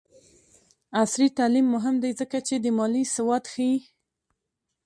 عصري تعلیم مهم دی ځکه چې د مالي سواد ښيي.